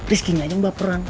rizkynya aja yang baperan